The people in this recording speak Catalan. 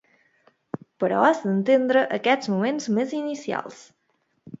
Però has d’entendre aquests moments més inicials.